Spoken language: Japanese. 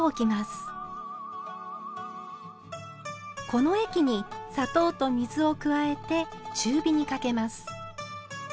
この液に砂糖と水を加えて中火にかけます。